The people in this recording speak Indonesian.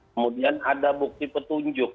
kemudian ada bukti petunjuk